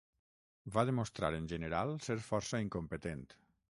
Va demostrar en general ser força incompetent.